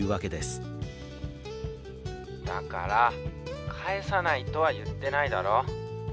☎だから返さないとは言ってないだろ！